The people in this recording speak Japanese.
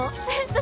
私？